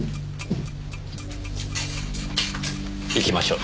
行きましょう。